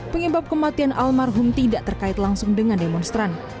penyebab kematian almarhum tidak terkait langsung dengan demonstran